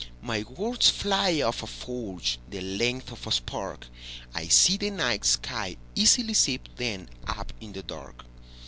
My words fly off a forgeThe length of a spark;I see the night sky easily sip themUp in the dark.